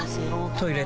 トイレ